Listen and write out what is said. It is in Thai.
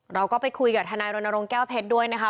เราก็ไปคุยกับทนายรณรงค์แก้วเพชรด้วยนะคะ